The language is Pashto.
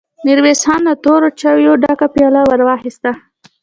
ميرويس خان له تورو چايو ډکه پياله ور واخيسته.